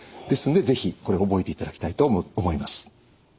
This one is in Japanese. ですんで是非これ覚えていただきたいと思います。